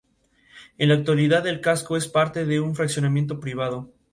La sede del condado es Panhandle, al igual que su mayor ciudad.